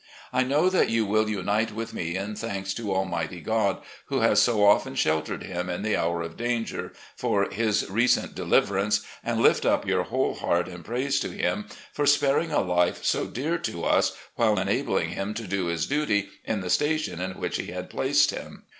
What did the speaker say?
I know that you will unite with me in thanks to Almighty God, who has so often sheltered him in the hour of danger, 98 RECOLLECTIONS OP GENERAL LEE for his recent deliverance, and lift up your whole heart in praise to Him for sparing a life so dear to us, while enabling him to do his duty in the station in which He had placed him.